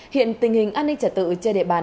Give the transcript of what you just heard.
hiện tình hình an ninh trả tự trên địa bàn